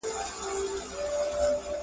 د څېړني ګټه ټولو ته رسیږي.